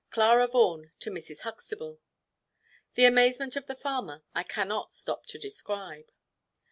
Clara Vaughan to Mrs. Huxtable." The amazement of the farmer, I cannot stop to describe.